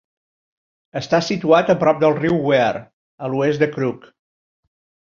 Està situat a prop del riu Wear, a l'oest de Crook.